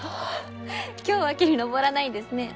今日は木に登らないんですね。